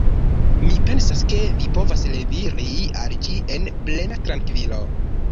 Mi pensas, ke vi povas liveri al ĝi en plena trankvilo.